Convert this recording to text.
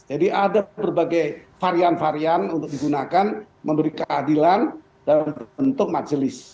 jadi ada berbagai varian varian untuk digunakan memberi keadilan dalam bentuk majelis